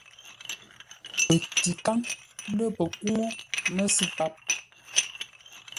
Pətikáŋ lə̂ pəkúŋú məsʉ̂ páp.